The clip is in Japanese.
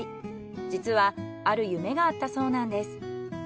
実はある夢があったそうなんです。